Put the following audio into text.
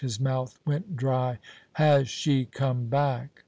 His mouth went dry. "Has she come back?"